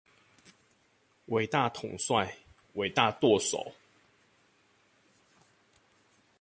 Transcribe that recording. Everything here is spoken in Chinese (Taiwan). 偉大統帥、偉大舵手